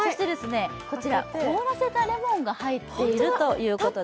こちら、凍らせたレモンが入っているということです。